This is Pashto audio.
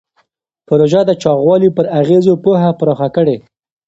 پروژه د چاغوالي پر اغېزو پوهه پراخه کړې.